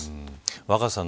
若狭さん